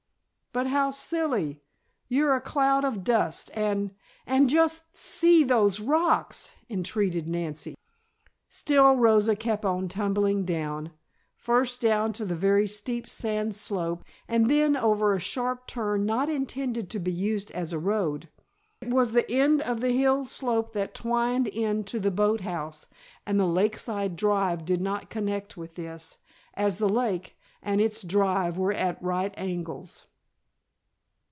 "But how silly! You're a cloud of dust and and just see those rocks!" entreated Nancy. Still Rosa kept on tumbling along, first down the very steep sand slope, and then over a sharp turn not intended to be used as a road. It was the end of the hill slope that twined in to the boat house, and the lakeside drive did not connect with this, as the lake and its drive were at right angles.